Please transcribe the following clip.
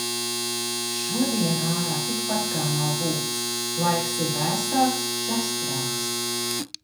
Šodien ārā tikpat kā nav būts. Laiks ir vēsāks, dzestrāks.